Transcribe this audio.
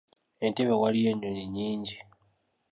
Entebbe waliyo ennyonyi nnyingi.